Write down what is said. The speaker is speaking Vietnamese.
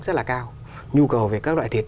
rất là cao nhu cầu về các loại thịt